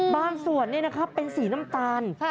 บางส่วนเป็นสีน้ำตาล